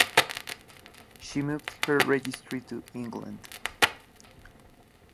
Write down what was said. She moved her registry to England.